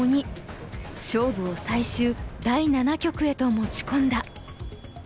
勝負を最終第七局へと持ち込んだ。